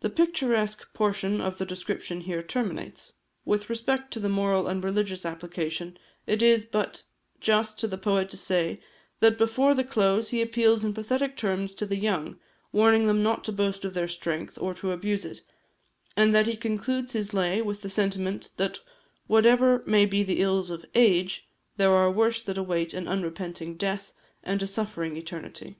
The picturesque portion of the description here terminates. With respect to the moral and religious application, it is but just to the poet to say, that before the close he appeals in pathetic terms to the young, warning them not to boast of their strength, or to abuse it; and that he concludes his lay with the sentiment, that whatever may be the ills of "age," there are worse that await an unrepenting death, and a suffering eternity.